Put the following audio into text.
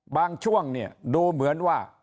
บางช่วงดูเหมือนว่า